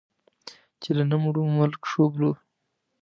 چې له نه مړو، ملک شوبلو.